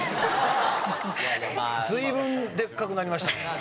随分でっかくなりましたね。